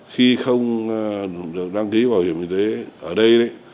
khi không được đăng ký bảo hiểm y tế ở đây